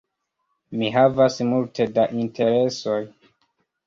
Mi havas multe da interesoj.